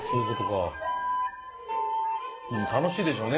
楽しいでしょうね